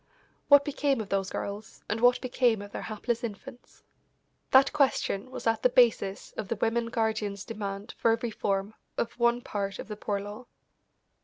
What became of those girls, and what became of their hapless infants? That question was at the basis of the women guardians' demand for a reform of one part of the Poor Law.